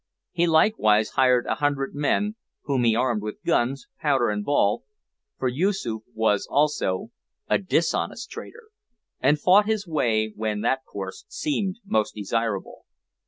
He likewise hired a hundred men, whom he armed with guns, powder, and ball, for Yoosoof was also a dishonest trader, and fought his way when that course seemed most desirable.